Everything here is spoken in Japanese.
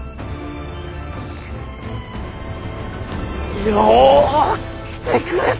よう来てくれた！